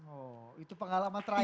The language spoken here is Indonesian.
oh itu pengalaman terakhir